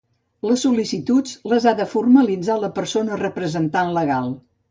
Les sol·licituds les ha de formalitzar la persona representant legal.